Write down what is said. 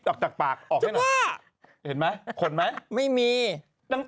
ออกจากปากออกให้หน่อย